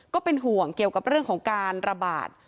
ก็เป็นห่วงเกี่ยวกับเรื่องของการระบาด